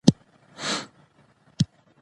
د قلم په ژبه مینه ولیکئ.